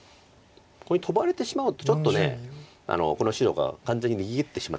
ここにトバれてしまうとちょっとこの白が完全に逃げきってしまった形になるんで。